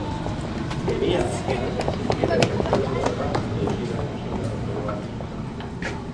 Debía además exigir el reemplazo de las bajas producidas con soldados peruanos.